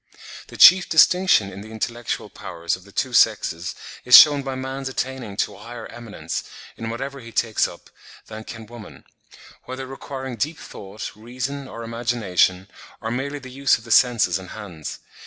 The chief distinction in the intellectual powers of the two sexes is shewn by man's attaining to a higher eminence, in whatever he takes up, than can woman—whether requiring deep thought, reason, or imagination, or merely the use of the senses and hands.